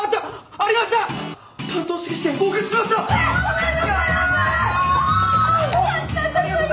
ありがとうございます！